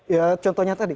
ya contohnya tadi